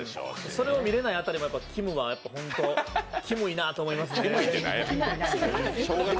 それを見れない辺りきむはきむいなと思いますね。